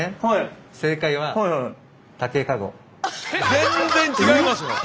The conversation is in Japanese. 全然違いますよ。